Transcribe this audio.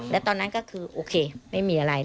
แล้วตอนนั้นก็คือโอเคไม่มีอะไร